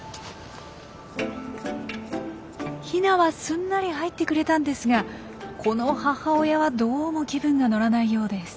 ヒナはすんなり入ってくれたんですがこの母親はどうも気分が乗らないようです。